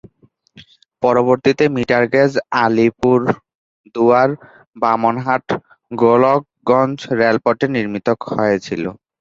পরবর্তীতে metre gauge আলিপুরদুয়ার-বামনহাট-গোলকগঞ্জ রেলপথটি নির্মিত হয়ে ছিল।